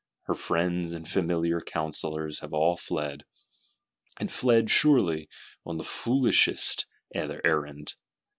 Her friends and familiar counsellors have all fled; and fled, surely, on the foolishest errand.